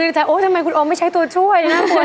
หมายถึงที่คุณโอมีไม่ใช้ตัวช่วย